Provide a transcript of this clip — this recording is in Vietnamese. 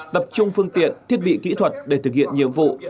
tập trung phương tiện thiết bị kỹ thuật để thực hiện nhiệm vụ